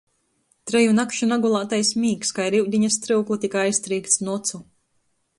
Treju nakšu nagulātais mīgs kai ar iudiņa stryuklu tyka aiztrīkts nu ocu.